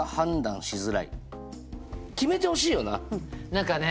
何かね